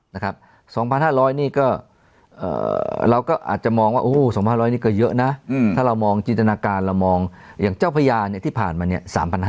๒๕๐๐นี่ก็เราก็อาจจะมองว่า๒๕๐๐นี่ก็เยอะนะถ้าเรามองจิตนาการอย่างเจ้าพญาที่ผ่านมาเนี่ย๓๕๐๐